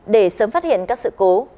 để sớm phát hiện các sự cố